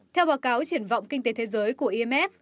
theo báo cáo